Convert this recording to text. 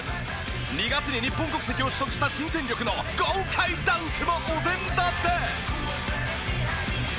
２月に日本国籍を取得した新戦力の豪快ダンクもお膳立て！